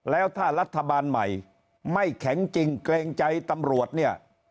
แล้วถ้ารัฐบาลใหม่ไม่แข็งจริงเกรงใจตำรวจเนี่ย